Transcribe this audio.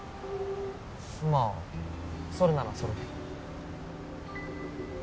まあそれならそれで。